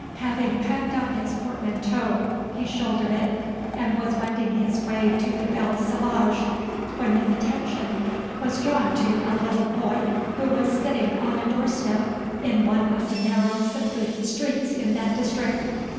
Having packed up his portmanteau, he shouldered it, and was wending his way to the Belle Sauvage, when his attention was drawn to a little boy who was sitting on a door step in one of the narrow, secluded streets in that district.